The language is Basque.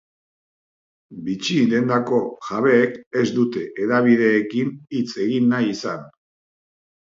Bitxi-dendako jabeek ez dute hedabideekin hitz egin nahi izan.